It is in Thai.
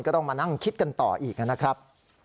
ก็ต้องมานั่งคิดกันต่ออีกนะครับ